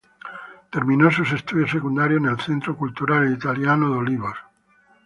Terminó sus estudios secundarios en el Centro Cultural Italiano de Olivos.